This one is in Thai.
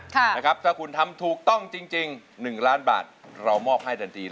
ถ้าคุณทำถูกต้องจริง๑ล้านบาทเรามอบให้ทันที